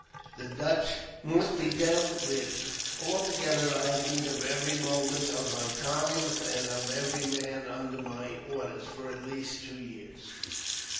The Dutch must be dealt with. Altogether, I have need of every moment of my time, and of every man under my orders, for at least two years.